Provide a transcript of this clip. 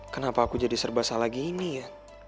kenapa aku jadi serba salah gini ya